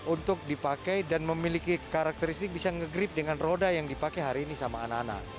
untuk dipakai dan memiliki karakteristik bisa nge grip dengan roda yang dipakai hari ini sama anak anak